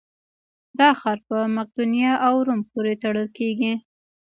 دا ښار په مقدونیه او روم پورې تړل کېږي.